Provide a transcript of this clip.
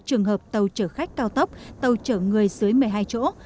trường hợp tàu chở khách cao tốc tàu chở người dưới một mươi hai chỗ